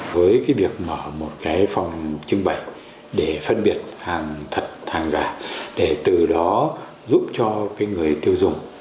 với việc mở một cái phòng trưng bày để phân biệt hàng thật hàng giả để từ đó giúp cho người tiêu dùng